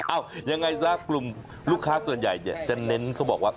ยังไงซะกลุ่มลูกค้าส่วนใหญ่จะเน้นเขาบอกว่า